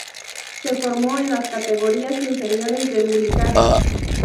Se formó en las categorías inferiores del Unicaja.